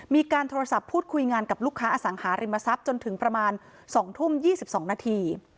มีการโทรศัพท์พูดคุยงานกับลูกค้าอสังหาริมทรัพย์จนถึงประมาณ๒ทุ่ม๒๒นาที